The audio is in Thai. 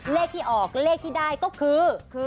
เลขที่ออกเลขที่ได้ก็คือ